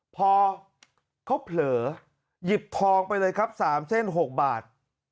พอเขาเผลอหยิบทองไปเลยครับ๓เส้น๖บาท